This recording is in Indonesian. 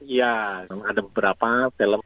ya ada beberapa film